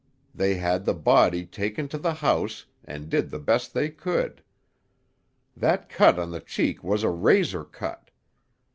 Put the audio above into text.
They had the body taken to the house, and did the best they could. That cut on the cheek was a razor cut.